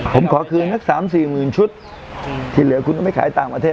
ผมขอคืนสัก๓๔หมื่นชุดที่เหลือคุณต้องไปขายต่างประเทศ